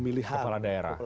pemilihan kepala daerah